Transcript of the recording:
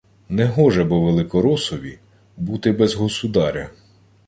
Негоже бо «великоросові» бути без «государя»